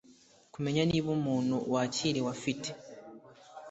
kumenya niba umuntu wakiriwe afite